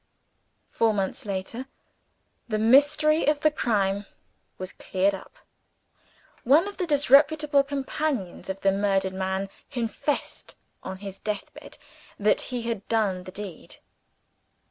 Four months later, the mystery of the crime was cleared up. One of the disreputable companions of the murdered man confessed on his death bed that he had done the deed.